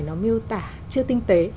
nó miêu tả chưa tinh tế